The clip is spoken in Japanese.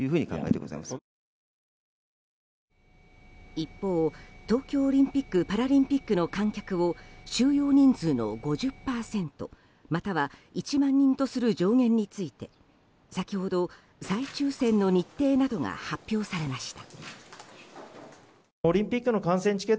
一方、東京オリンピック・パラリンピックの観客を収容人数の５０％または１万人とする上限について先ほど、再抽選の日程などが発表されました。